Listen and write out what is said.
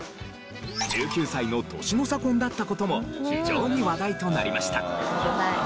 １９歳の年の差婚だった事も非常に話題となりました。